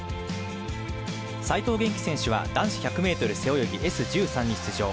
齋藤元希選手は男子１００ｍ背泳ぎＳ１３に出場。